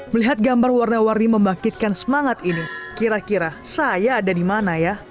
melihat gambar warna warni membangkitkan semangat ini kira kira saya ada di mana ya